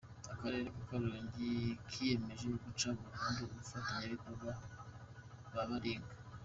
Akarere ka Karongi kiyemeje guca burundu abafatanyabikorwa ba baringa